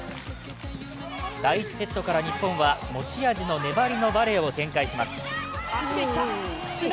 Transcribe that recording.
第１セットから日本は持ち味の粘りのバレーを展開します。